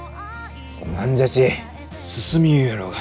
おまんじゃち進みゆうろうが。